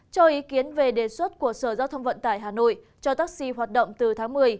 cho ý kiến về đề xuất của sở giao thông vận tải hà nội cho taxi hoạt động từ tháng một mươi